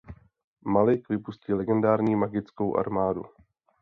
Malik vypustí legendární magickou armádu.